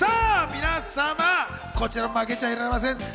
皆様、こちら負けちゃいられません。